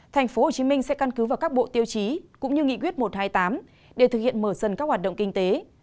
tp hcm sẽ căn cứ vào các bộ tiêu chí cũng như nghị quyết một trăm hai mươi tám để thực hiện mở sân các hoạt động kinh tế